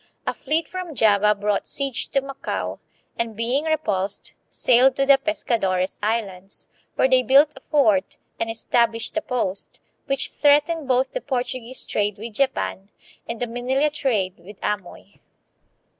195 In 1622 a fleet from Java brought siege to Macao, and, being repulsed, sailed to the Pescadores Islands, where they built a fort and established a post, which threatened both the Portuguese trade with Japan and the Manila trade with Amoy.